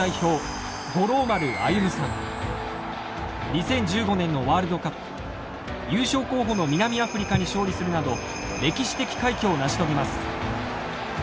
２０１５年のワールドカップ優勝候補の南アフリカに勝利するなど歴史的快挙を成し遂げます。